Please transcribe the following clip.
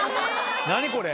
何これ？